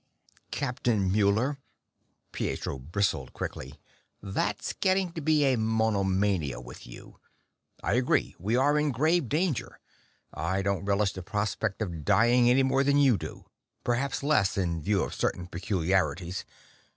"Captain Muller," Pietro bristled quickly, "that's getting to be a monomania with you. I agree we are in grave danger. I don't relish the prospect of dying any more than you do perhaps less, in view of certain peculiarities!